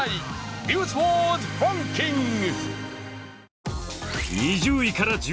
「ニュースワードランキング」。